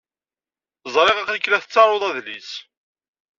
Ẓṛiɣ aql-ik la tettaruḍ adlis.